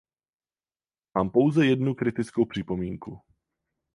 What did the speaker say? Mám pouze jednu kritickou připomínku.